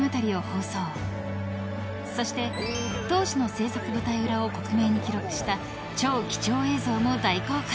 ［そして当時の製作舞台裏を克明に記録した超貴重映像も大公開。